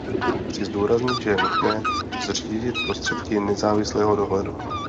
Chci zdůraznit, že je nutné zřídit prostředky nezávislého dohledu.